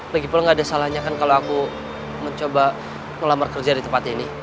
begitulah gak ada salahnya kan kalo aku mencoba ngelamar kerja di tempat ini